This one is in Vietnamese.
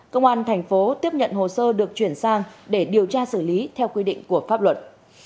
công an thành phố tiếp nhận hồ sơ được chuyển sang để điều tra xử lý theo quy định của pháp luật